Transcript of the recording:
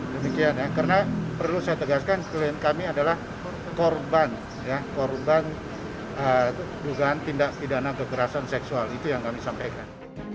demikian ya karena perlu saya tegaskan klien kami adalah korban korban dugaan tindak pidana kekerasan seksual itu yang kami sampaikan